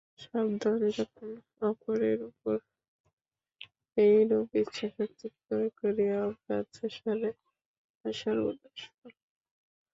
সাবধান, যখন অপরের উপর এইরূপ ইচ্ছাশক্তি প্রয়োগ করিয়া অজ্ঞাতসারে তাহার সর্বনাশ কর।